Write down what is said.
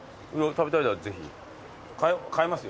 食べたいならぜひ。買いますよ。